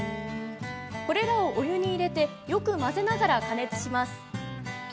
これらを、お湯に入れてよく混ぜながら加熱します。